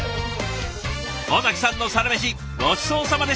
尾崎さんのサラメシごちそうさまでした。